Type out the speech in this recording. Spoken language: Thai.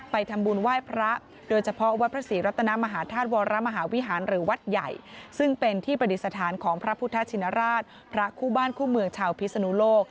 พุทธชินราชพระคู่บ้านคู่เมืองชาวพิสนุโลก